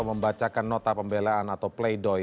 membacakan nota pembelaan atau play doh